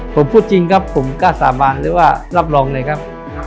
ผมพูดจริงครับผมกล้าสาบานหรือว่ารับรองเลยครับ